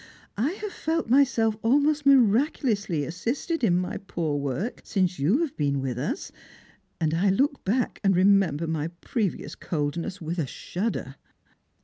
I have felt myself almost miraculously assisted in my poor work since you have been with us, and I look back and remember my previous coldness with a shudder."